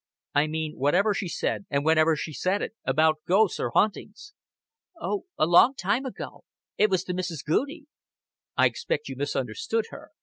"I mean, whatever she said and whenever she said it about ghosts or hauntings." "Oh, a long time ago. It was to Mrs. Goudie." "I expect you misunderstood her.